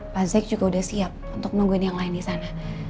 pak zek juga udah siap untuk nungguin yang lain disana